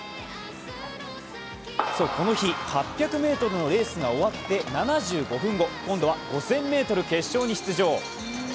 この日、８００ｍのレースが終わって７５分後今度は５０００ｍ決勝に出場。